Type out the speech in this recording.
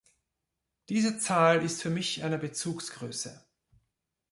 Diese Zahl ist für mich eine Bezugsgröße.